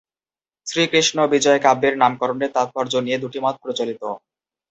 শ্রীকৃষ্ণবিজয় কাব্যের নামকরণের তাৎপর্য নিয়ে দুটি মত প্রচলিত।